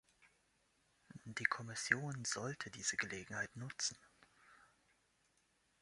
Die Kommission sollte diese Gelegenheit nutzen.